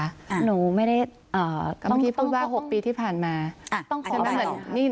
อ่าหนูไม่ได้อ่าก็เมื่อกี้พูดว่าหกปีที่ผ่านมาอ่าต้องขออภัยต่อ